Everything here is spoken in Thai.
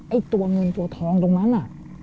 ไอ้ตัวเงินตัวทองตรงนั้นน่ะ